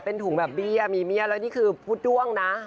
เป็นถุงแบบเบี้ยมีเบี้ยแล้วนี่คือพุทธด้วงนะ